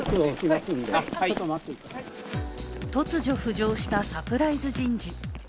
突如、浮上したサプライズ人事。